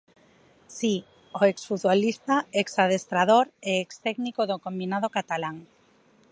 Si, o ex futbolista, ex adestrador e ex técnico do combinado catalán.